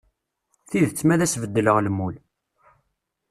Tidet ma ad as-beddleɣ lmul.